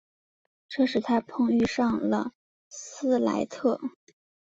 这使他碰遇上了斯莱特。